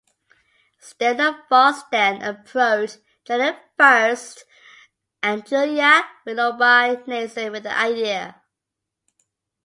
Stern and Faust then approached Jenner Furst and Julia Willoughby Nason with the idea.